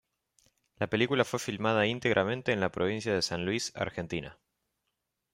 La película fue filmada íntegramente en la provincia de San Luis, Argentina.